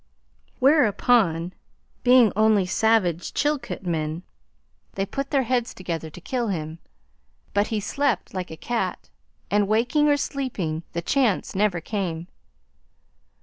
Whereupon, being only savage Chilkat men, they put their heads together to kill him; but he slept like a cat, and, waking or sleeping, the chance never came.